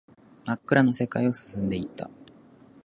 真っ暗な世界を進んでいった